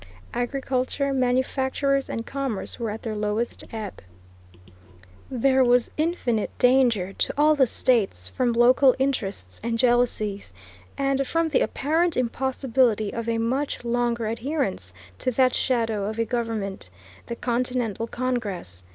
Agriculture, manufactures, and commerce were at their lowest ebb. There was infinite danger to all the States from local interests and jealousies, and from the apparent impossibility of a much longer adherence to that shadow of a government, the Continental Congress.